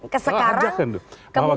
kesekarang kemudian rekonsiliasi itu terjadi